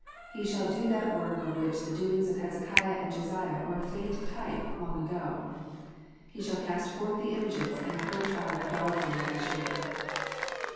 He shall do that work of which the doings of Hezekiah and Josiah were a faint type long ago. He shall cast forth the images, and purge out idolatry in every shape.